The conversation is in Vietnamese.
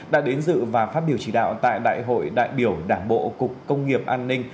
đã đến dự và phát biểu chỉ đạo tại đại hội đại biểu đảng bộ cục công nghiệp an ninh